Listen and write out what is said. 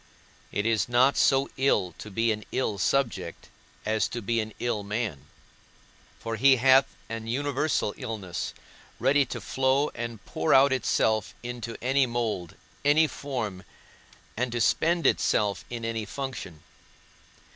It is not so ill to be an ill subject as to be an ill man; for he hath an universal illness, ready to flow and pour out itself into any mould, any form, and to spend itself in any function.